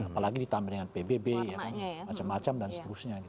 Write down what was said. apalagi ditambah dengan pbb macam macam dan seterusnya